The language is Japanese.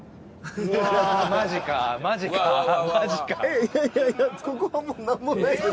えっいやいやいやここはもうなんもないです。